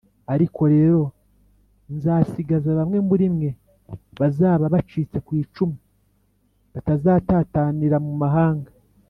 Ariko rero, nzasigaza bamwe muri mwe bazaba bacitse ku icumu batazatatanira mu mahanga